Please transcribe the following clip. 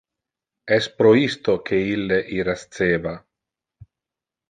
Es pro isto que ille irasceva.